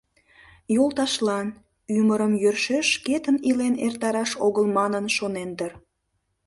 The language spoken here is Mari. Йолташлан, ӱмырым йӧршеш шкетын илен эртараш огыл манын шонен дыр.